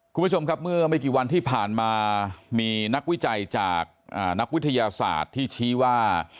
คุณผู้ชมครับเมื่อไม่กี่วันที่ผ่านมามีนักวิจัยจากนักวิทยาศาสตร์ที่ชี้ว่า